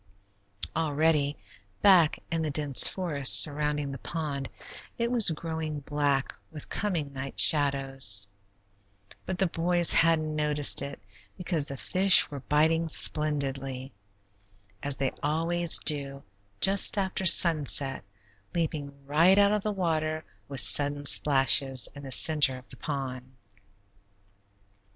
Already, back in the dense forest surrounding the pond, it was growing black with coming night shadows, but the boys hadn't noticed it, because the fish were biting splendidly, as they always do just after sunset, leaping right out of the water with sudden splashes, in the center of the pond.